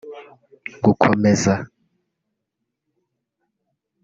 gukomeza (